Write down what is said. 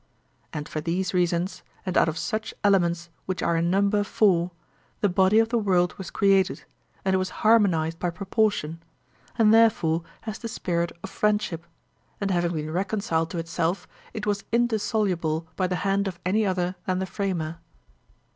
And for these reasons, and out of such elements which are in number four, the body of the world was created, and it was harmonized by proportion, and therefore has the spirit of friendship; and having been reconciled to itself, it was indissoluble by the hand of any other than the framer.